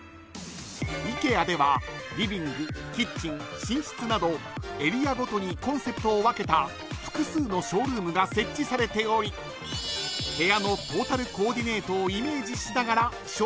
［ＩＫＥＡではリビングキッチン寝室などエリアごとにコンセプトを分けた複数のショールームが設置されており部屋のトータル］